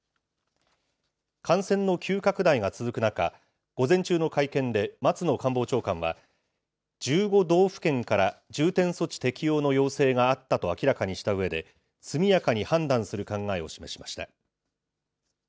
感染の急拡大が続く中、午前中の会見で松野官房長官は、１５道府県から重点措置適用の要請があったと明らかにしたうえで、速やかに判断する考えを示しました。